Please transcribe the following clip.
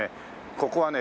ここはね